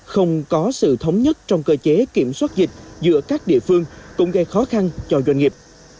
không có sự thống nhất trong cơ chế kiểm soát dịch giữa các địa phương cũng gây khó khăn cho doanh nghiệp